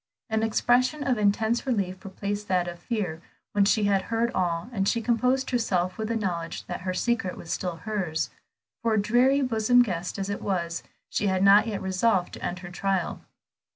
An expression of intense relief replaced that of fear, when she had heard all, and she composed herself with the knowledge that her secret was still hers. For, dreary bosom guest as it was, she had not yet resolved to end her trial.